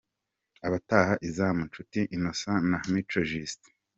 Abataha izamu: Nshuti inosa na Mico Jusite.